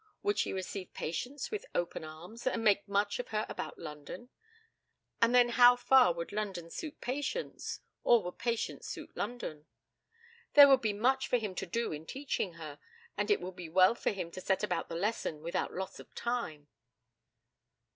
Would she receive Patience with open arms, and make much of her about London? And then how far would London suit Patience, or would Patience suit London? There would be much for him to do in teaching her, and it would be well for him to set about the lesson without loss of time.